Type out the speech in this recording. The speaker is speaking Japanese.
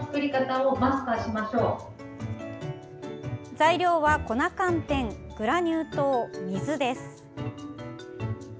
材料は粉寒天、グラニュー糖、水です。